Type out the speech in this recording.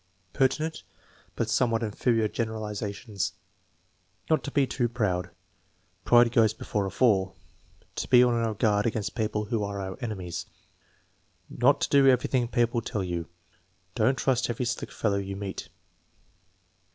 Pertinent but somewhat inferior generalizations: "Not to be too proud." "Pride goes before a fall." "To be on our guard against people who are our enemies." "Not to do everything people tell you." "Don't trust every slick fellow you meet."